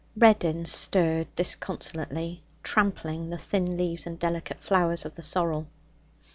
Reddin stirred disconsolately, trampling the thin leaves and delicate flowers of the sorrel.